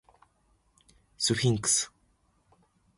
スフィンクス